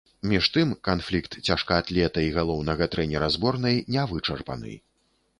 Між тым канфлікт цяжкаатлета і галоўнага трэнера зборнай не вычарпаны.